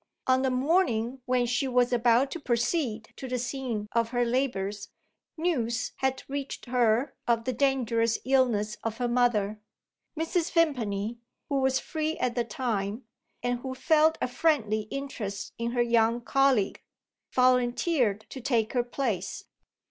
On the morning when she was about to proceed to the scene of her labours, news had reached her of the dangerous illness of her mother. Mrs. Vimpany, who was free at the time, and who felt a friendly interest in her young colleague, volunteered to take her place.